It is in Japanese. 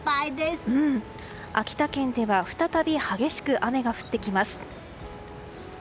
秋田県では再び激しく雨が降ってきます。